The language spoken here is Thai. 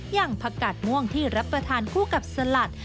อย่างผักกาดม่วงที่รับประทานคู่กับสลัด